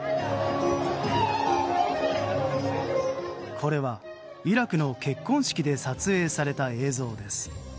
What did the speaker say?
これはイラクの結婚式で撮影された映像です。